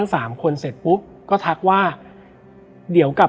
และวันนี้แขกรับเชิญที่จะมาเชิญที่เรา